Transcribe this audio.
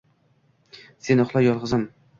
Sen uxla, yolg’izim.